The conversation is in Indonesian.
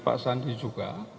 pak sandi juga